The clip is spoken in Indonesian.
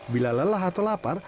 bila lelah atau lapar